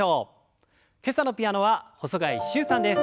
今朝のピアノは細貝柊さんです。